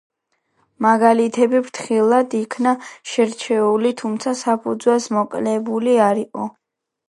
მაგალითები ფრთხილად იქნა შერჩეული, თუმცა საფუძველს მოკლებული არ იყო.